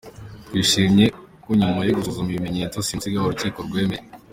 Twishimiye ko nyuma yo gusuzuma ibimenyetso simusiga urukiko rwemeye.